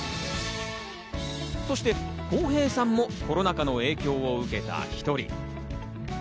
そして公平さんもコロナ禍の影響を受けた１人。